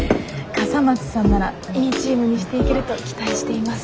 「笠松さんならいいチームにしていけると期待しています」。